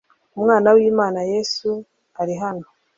umwana w imana yesu arihano